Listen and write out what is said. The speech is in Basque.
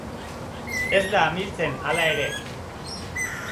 Ez da amiltzen, hala ere.